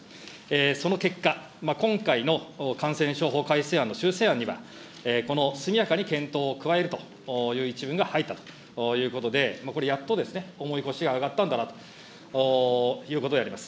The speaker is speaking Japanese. その結果、今回の感染症法改正案の修正案には、この速やかに検討を加えるという一文が入ったということで、これ、やっと重い腰が上がったんだなということであります。